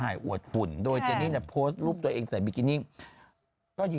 แล้วตื่นแต่เช้าทุกวันนะคนนี้